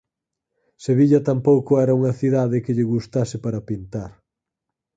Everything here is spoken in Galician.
Sevilla tampouco era unha cidade que lle gustase para pintar.